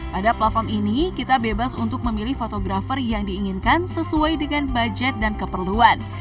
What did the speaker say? pada platform ini kita bebas untuk memilih fotografer yang diinginkan sesuai dengan budget dan keperluan